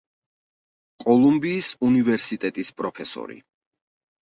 კოლუმბიის უნივერსიტეტის პროფესორი.